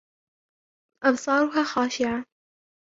أَبْصَارُهَا خَاشِعَةٌ